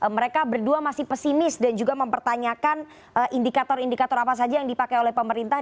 mereka berdua masih pesimis dan juga mempertanyakan indikator indikator apa saja yang dipakai oleh pemerintah